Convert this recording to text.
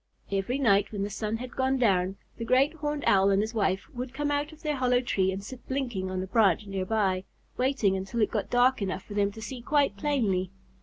Every night when the sun had gone down, the Great Horned Owl and his wife would come out of their hollow tree and sit blinking on a branch near by, waiting until it got dark enough for them to see quite plainly.